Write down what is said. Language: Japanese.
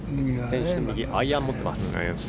アイアンを持っています。